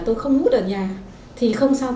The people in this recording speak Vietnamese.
tôi không hút ở nhà thì không sao cả